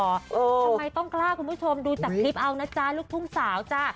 ทำไมต้องกล้าคุณผู้ชมดูจากคลิปเอานะจ๊ะลูกทุ่งสาวจ้ะ